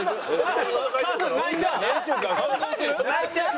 泣いちゃう？